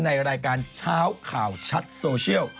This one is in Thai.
ในรายการเช้าข่าวชัดโซเชียล